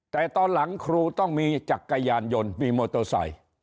แต่ตอนหลังครูต้องมีจักรยานยนต์มีมอเตอร์ไซค์